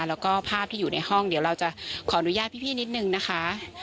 แล้วก็ภาพที่อยู่ในห้องเดี๋ยวเราจะขออนุญาตพี่นิดนึงนะคะ